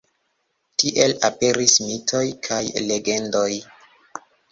Tiel aperis mitoj kaj legendoj.